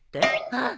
あっ。